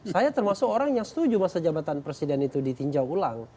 saya termasuk orang yang setuju masa jabatan presiden itu ditinjau ulang